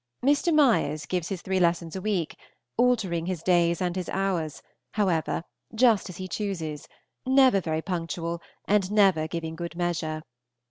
Mr. Meyers gives his three lessons a week, altering his days and his hours, however, just as he chooses, never very punctual, and never giving good measure.